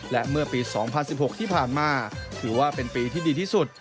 และเมื่อปี๒๐๑๖ที่ผ่านมาถือว่าเป็นปีที่ดีที่สุด